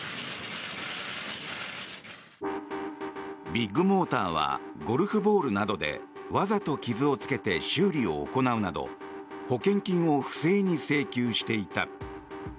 ビッグモーターはゴルフボールなどでわざと傷をつけて修理を行うなど保険金を不正に請求していた。